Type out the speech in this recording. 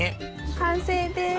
完成です！